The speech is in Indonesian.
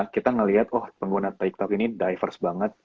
kita ngelihat oh pengguna tiktok ini diverse banget